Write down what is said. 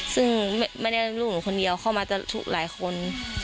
ซึ่งไม่ได้ลูกหนูคนเดียวเข้ามาจะถูกหลายคน